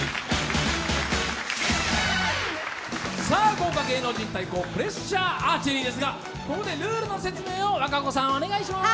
豪華芸能人対抗重圧アーチェリーですが、ここでルールの説明を和歌子さん、お願いします。